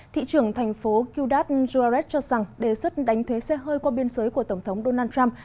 thị trường thành phố ciudad juarez cho rằng đề xuất đánh thuế xe hơi qua biên giới của tổng thống donald trump